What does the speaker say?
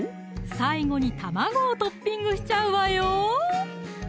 最後に卵をトッピングしちゃうわよ！